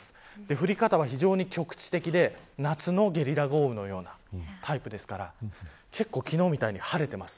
降り方は非常に局地的で夏のゲリラ豪雨のようなタイプですから結構、昨日みたいに晴れてます。